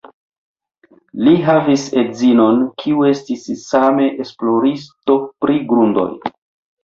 Li havis edzinon, kiu estis same esploristo pri grundoj.